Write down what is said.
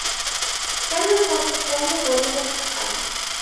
كان صوت سامي غريبا حقّا.